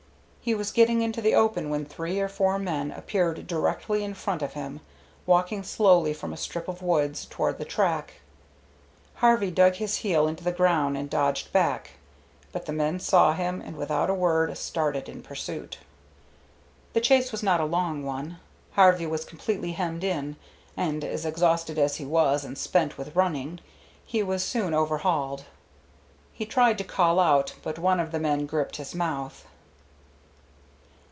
He was getting into the open when three or four men appeared directly in front of him, walking slowly from a strip of woods toward the track. Harvey dug his heel into the ground and dodged back, but the men saw him and without a word started in pursuit. The chase was not a long one. Harvey was completely hemmed in, and exhausted as he was and spent with running, he was soon overhauled. He tried to call out, but one of the men gripped his mouth.